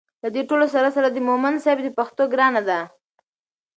له دې ټولو سره سره د مومند صیب د پښتو ګرانه ده